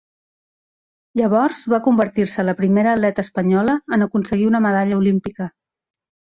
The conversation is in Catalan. Llavors va convertir-se en la primera atleta espanyola en aconseguir una medalla olímpica.